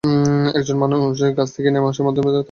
একজন মানুষ গাছ থেকে নেমে আসার মধ্যে তেমন অস্বাভাবিক কিছু নেই।